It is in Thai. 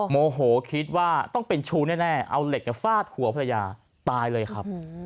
โมโหคิดว่าต้องเป็นชู้แน่เอาเหล็กฟาดหัวภรรยาตายเลยครับ